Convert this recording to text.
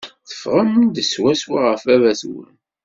Teffɣem-d swaswa ɣef baba-twen.